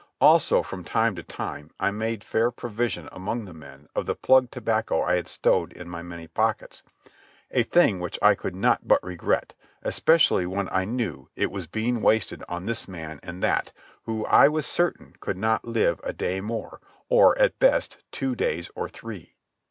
Also, from time to time I made fair division among the men of the plug tobacco I had stowed in my many pockets—a thing which I could not but regret, especially when I knew it was being wasted on this man and that who I was certain could not live a day more, or, at best, two days or three.